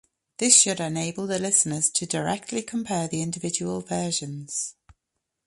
This should enable the listeners to directly compare the individual versions.